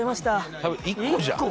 １個じゃん。